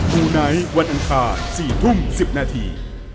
ภูไนท์วันอังคารสี่ทุ่มสิบนาที